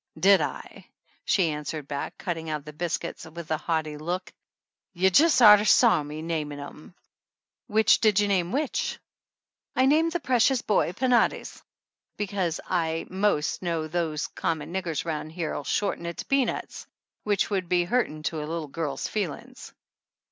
"Did /?" she answered back, cutting out the 131 THE ANNALS OF ANN biscuits with a haughty look, "you just oughter a saw me namin' 'em !" "Which did you name which?" I asked. "I named the precious boy Penates, because I most know these common niggers roun' here'll shorten it to 'Peanuts' which would be hurtin' to a little girl's feelin's."